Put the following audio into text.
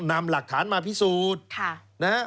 นำหลักฐานมาพิสูจน์